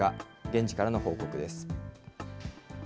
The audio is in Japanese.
現地からの報告です。